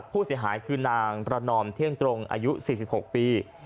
ผู้เสียหายคือนางประนอมเที่ยงตรงอายุ๔๖ปี